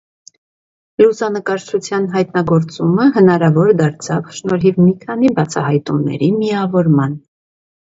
Լուսանկարչության հայտնագործումը հնարավոր դարձավ շնորհիվ մի քանի բացահայտումների միավորման։